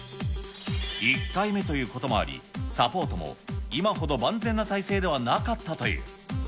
１回目ということもあり、サポートも今ほど万全な体制ではなかったという。